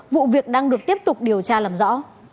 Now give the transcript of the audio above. vụ việc đang được tiếp tục điều tra làm rõ